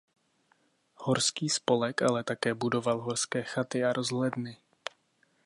Horský spolek ale také budoval horské chaty a rozhledny.